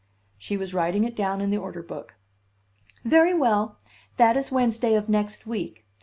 She was writing it down in the order book. "Very well. That is Wednesday of next week.